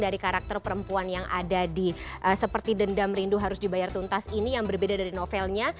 dari karakter perempuan yang ada di seperti dendam rindu harus dibayar tuntas ini yang berbeda dari novelnya